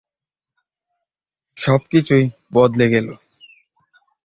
সব কিছু বদলে গেল।